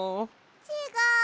ちがう！